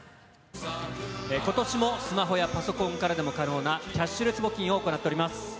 ことしもスマホやパソコンからでも可能なキャッシュレス募金を行っております。